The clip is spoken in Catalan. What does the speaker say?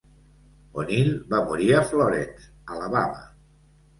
O'Neal va morir a Florence, Alabama.